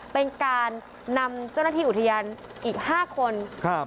เป็นการนำเจ้าหน้าที่อุทยานอีก๕คนครับ